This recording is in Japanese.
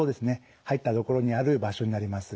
入った所にある場所になります。